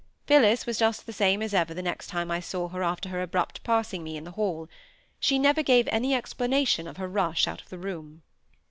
Phillis was just the same as ever the next time I saw her after her abrupt passing me in the hall. She never gave any explanation of her rush out of the room.